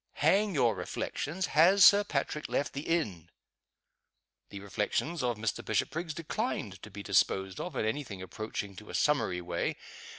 "Hang your reflections! Has Sir Patrick left the inn?" The reflections of Mr. Bishopriggs declined to be disposed of in any thing approaching to a summary way.